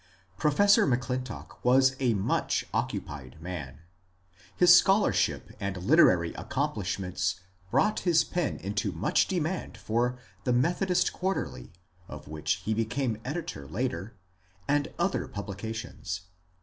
Professor M'Clintock was a much occupied man. His schol arship and literary accomplishments brought his pen into much demand for the " Methodist Quarterly," of which he became editor later, and other publications.